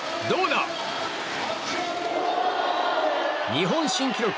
日本新記録！